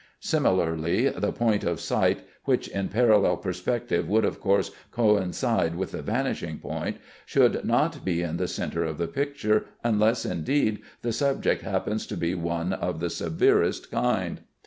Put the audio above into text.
Similarly the point of sight (which in parallel perspective would, of course, coincide with the vanishing point) should not be in the centre of the picture, unless, indeed, the subject happens to be one of the severest kind.